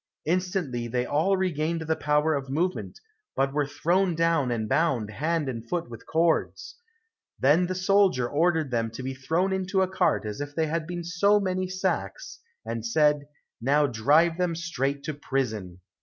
Instantly they all regained the power of movement, but were thrown down and bound hand and foot with cords. Then the soldier ordered them to be thrown into a cart as if they had been so many sacks, and said, "Now drive them straight to prison."